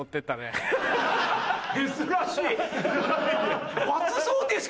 珍しい。